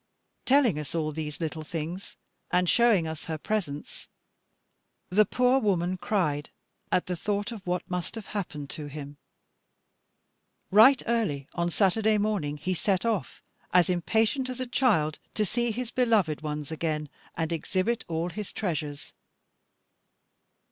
Telling us all these little things, and showing us her presents, the poor woman cried at the thought of what must have happened to him. Right early on Saturday morning he set off, as impatient as a child, to see his beloved ones again, and exhibit all his treasures.